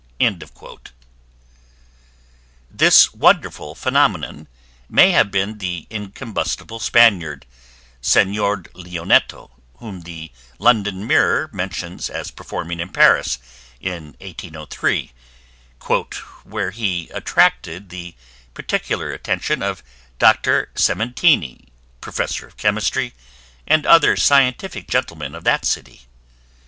This "Wonderful Phenomenon" may have been "the incombustible Spaniard, Senor Lionetto," whom the London Mirror mentions as performing in Paris in 1803 "where he attracted the particular attention of Dr. Sementeni, Professor of Chemistry, and other scientific gentlemen of that city.